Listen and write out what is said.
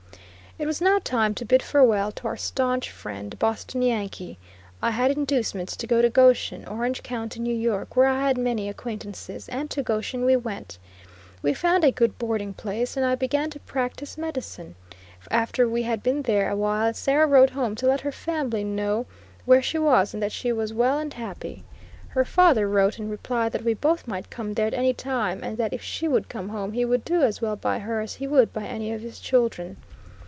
It was now time to bid farewell to our staunch friend, Boston Yankee. I had inducements to go to Goshen, Orange County, N. Y., where I had many acquaintances, and to Goshen we went. We found a good boarding place, and I began to practice medicine, After we had been there a while, Sarah wrote home to let her family know where she was, and that she was well and happy. Her father wrote in reply that we both might come there at any time, and that if she would come home he would do as well by her as he would by any of his children.